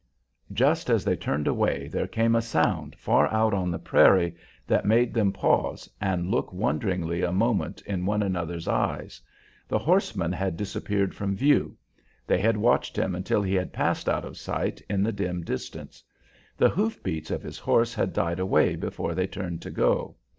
Just as they turned away there came a sound far out on the prairie that made them pause and look wonderingly a moment in one another's eyes. The horseman had disappeared from view. They had watched him until he had passed out of sight in the dim distance. The hoof beats of his horse had died away before they turned to go.